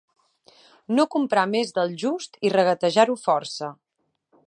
No comprar més del just i regatejar-ho força.